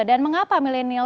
dan mengapa milenial